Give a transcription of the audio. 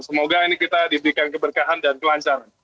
semoga ini kita diberikan keberkahan dan kelancaran